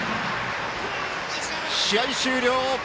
試合終了！